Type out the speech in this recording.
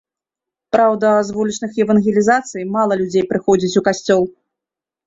Праўда, з вулічных евангелізацый мала людзей прыходзіць у касцёл.